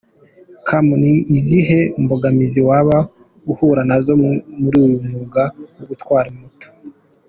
com : Ni izihe mbogamizi waba uhura nazo muri uyu mwuga wo gutwara moto ?.